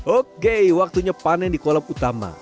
oke waktunya panen di kolam utama